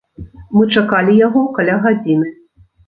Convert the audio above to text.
Мы чакалі яго каля гадзіны.